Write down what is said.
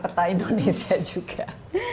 peta indonesia juga